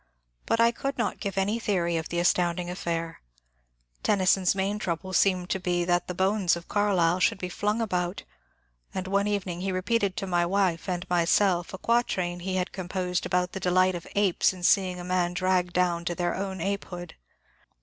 But I could not give any theory of the astounding affair. Tennyson's main trouble seemed to be that the bones of Carlyle should be flung about, and one evening he repeated to my wife and myself a quatrain he had composed about the delight of apes in seeing a man dragged down to their own apehood.